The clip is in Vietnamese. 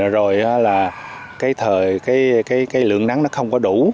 rồi là cái lượng nắng nó không có đủ